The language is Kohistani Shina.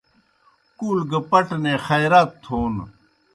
کُول گہ پٹنے خائرات تھون